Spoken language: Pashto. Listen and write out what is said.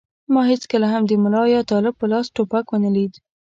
ما هېڅکله هم د ملا یا طالب په لاس ټوپک و نه لید.